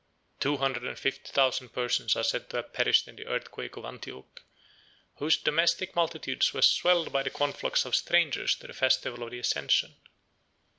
Two hundred and fifty thousand persons are said to have perished in the earthquake of Antioch, whose domestic multitudes were swelled by the conflux of strangers to the festival of the Ascension.